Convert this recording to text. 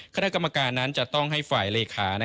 คณะกรรมการนั้นจะต้องให้ฝ่ายเลขา